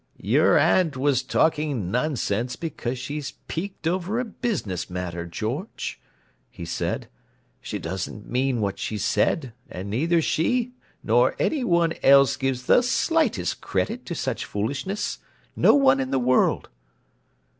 "Your aunt was talking nonsense because she's piqued over a business matter, George," he said. "She doesn't mean what she said, and neither she nor any one else gives the slightest credit to such foolishness—no one in the world!"